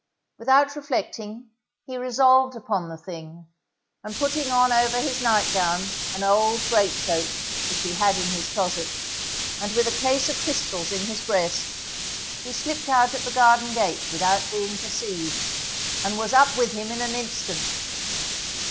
Without reflecting, he resolved upon the thing, and putting on over his nightgown an old great coat which he had in his closet and with a case of pistols in his breast, he slipped out at the garden gate without being perceived, and was up with him in an instant.